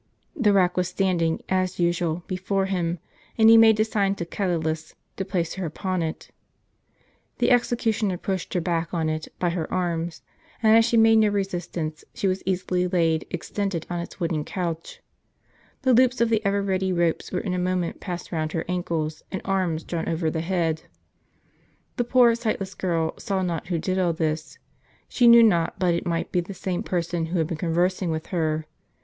The rack was standing, as usual, before him ; and he made a sign to Catulus to place her upon it. The executioner pushed her back on it by her arms; and as she made no resistance, she was easily laid extended on its wooden couch. The loops of the ever ready ropes were in a moment passed round her ankles, and arms drawn over the head. The poor sightless girl saw not who did all this; she knew not but it might be the same person who had been conversing with her.